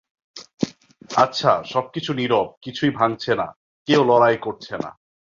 আচ্ছা, সবকিছু নীরব, কিছুই ভাঙ্গছে না, কেউ লড়াই করছে না।